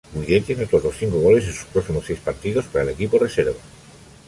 Guidetti anotó otros cinco goles en sus próximos seis partidos para el equipo reserva.